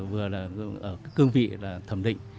vừa là ở cương vị thẩm định